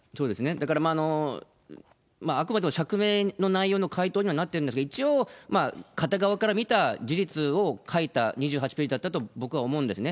だから、あくまでも釈明の内容の回答にはなってるんですが、一応、片側から見た事実を書いた２８ページだったと僕は思うんですね。